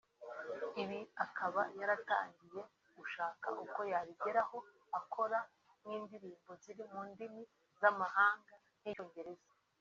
Ibi akaba yaratangiye gushaka uko yabigeraho akora n’indirimbo ziri mu ndimi z’amahanga nk’icyongereza